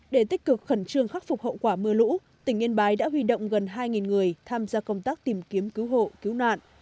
để tích cực khẩn trương khắc phục hậu quả mưa lũ tỉnh yên bái đã huy động gần hai người tham gia công tác tìm kiếm cứu hộ cứu nạn